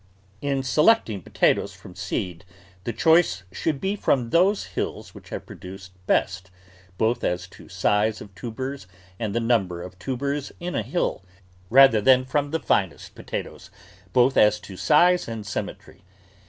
[ 157 ] THE VEGETABLE GARDEN In selecting potatoes from seed, the choice should be from those hills which have produced best, both as to size of tubers and the number of tubers in a hill rather than from the finest potatoes, both as to size and symmetry.